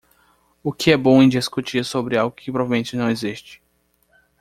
O que é bom em discutir sobre algo que provavelmente não existe?